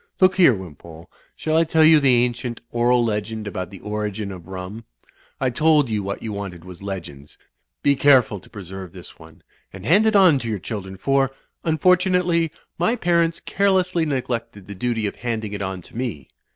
Look here, Wimpole! Shall I tell you the ancient oral legend about the origin of rum? I Digitized by CjOOQ IC 274 THE FLYING INN told you what you wanted was legends. Be careful to preserve this one, and hand it on to your children ; for, imfortunately, my parents carelessly neglected the duty of handing it on to me.